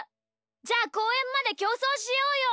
じゃあこうえんまできょうそうしようよ！